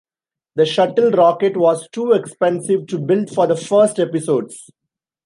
The shuttle rocket was too expensive to build for the first episodes.